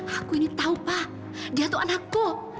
aku ini tahu pak dia tuh anakku